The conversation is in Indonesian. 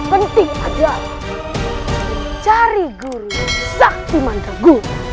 tentu saja aku akan mencari guru yang sangat penting